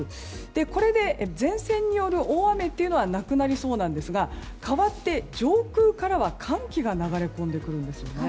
これで前線による大雨はなくなりそうなんですがかわって上空からは寒気が流れ込んでくるんですよね。